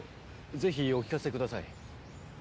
ぜひお聞かせください。